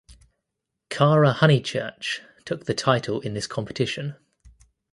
Cara Honeychurch took the title in this competition.